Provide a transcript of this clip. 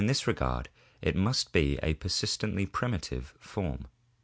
this regard it must be a persistently primitive form.